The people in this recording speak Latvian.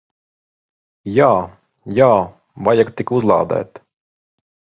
Jā. Jā. Vajag tik uzlādēt.